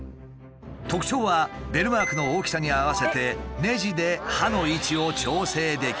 特徴はベルマークの大きさに合わせてねじで刃の位置を調整できること。